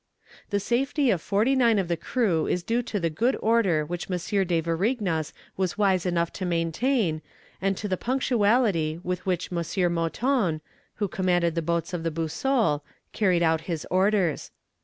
"The safety of forty nine of the crew is due to the good order which M. de Varignas was wise enough to maintain, and to the punctuality with which M. Mouton, who commanded the boats of the Boussole, carried out his orders.